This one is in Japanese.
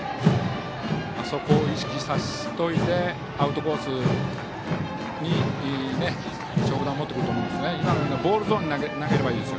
あそこを意識させておいてアウトコースに勝負球を持ってくると思うんです。